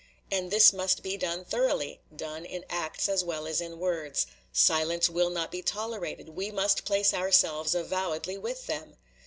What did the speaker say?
And this must be done thoroughly done in acts as well as in words. Silence will not be tolerated; we must place ourselves avowedly with them.